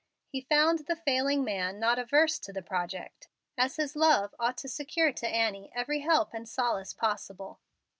He found the failing man not averse to the project, as his love ought to secure to Annie every help and solace possible.